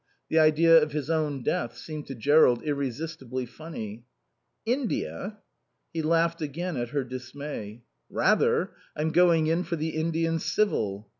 The idea of his own death seemed to Jerrold irresistibly funny. "India?" He laughed again at her dismay. "Rather. I'm going in for the Indian Civil."